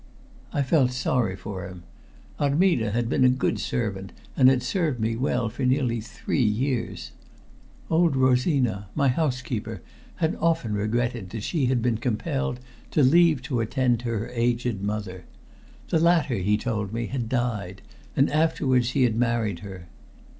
I felt sorry for him. Armida had been a good servant, and had served me well for nearly three years. Old Rosina, my housekeeper, had often regretted that she had been compelled to leave to attend to her aged mother. The latter, he told me, had died, and afterwards he had married her.